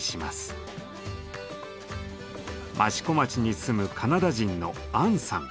益子町に住むカナダ人のアンさん。